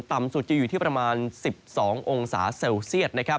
ต่ำสุดจะอยู่ที่ประมาณ๑๒องศาเซลเซียตนะครับ